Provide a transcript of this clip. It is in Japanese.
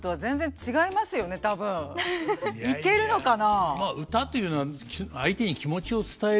いけるのかな？